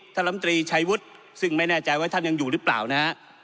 ลำตรีชัยวุฒิซึ่งไม่แน่ใจว่าท่านยังอยู่หรือเปล่านะฮะ